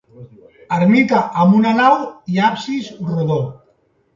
Ermita amb una nau i absis rodó.